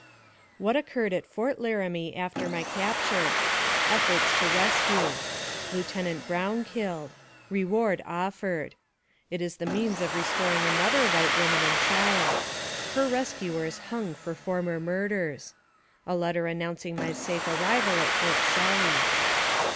WHAT OCCURRED AT FORT LARAMIE AFTER MY CAPTURE EFFORTS TO RESCUE LIEUTENANT BROWN KILLED REWARD OFFERED IT IS THE MEANS OF RESTORING ANOTHER WHITE WOMAN AND CHILD HER RESCUERS HUNG FOR FORMER MURDERS A LETTER AN NOUNCING MY SAFE ARRIVAL AT FORT SULtY.